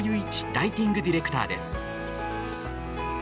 ライティングディレクターです。